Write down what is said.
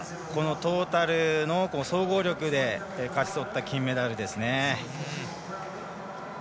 トータルの総合力で勝ち取った金メダルですね。